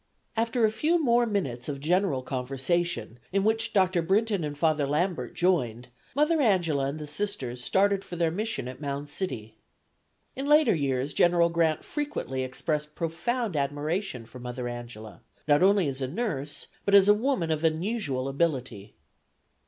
After a few more minutes of general conversation, in which Dr. Brinton and Father Lambert joined, Mother Angela and the Sisters started for their mission at Mound City. In later years General Grant frequently expressed profound admiration for Mother Angela, not only as a nurse, but as a woman of unusual ability.